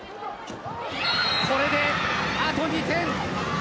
これで、あと２点。